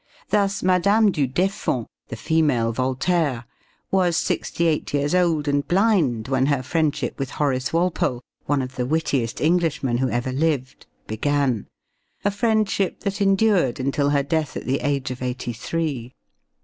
Thus, Mme. du Deffand the female Voltaire was sixty eight years old and blind when her friendship with Horace Walpole, one of the wittiest Englishmen who ever lived, began a friendship that endured until her death at the age of eighty three.